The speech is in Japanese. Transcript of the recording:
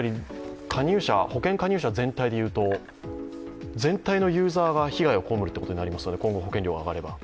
保険加入者全体でいうと全体のユーザーが被害を被るということになりますので、今後保険料が上がれば。